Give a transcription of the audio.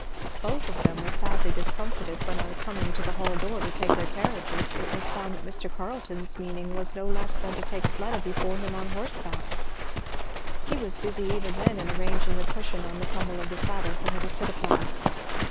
Both of them were sadly discomfited when on coming to the hall door to take their carriages it was found that Mr. Carleton's meaning was no less than to take Fleda before him on horseback. He was busy even then in arranging a cushion on the pommel of the saddle for her to sit upon.